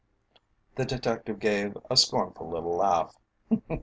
The detective gave a scornful little laugh.